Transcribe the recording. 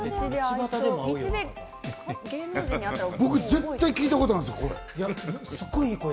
僕、絶対聞いたことあるんすよ、声。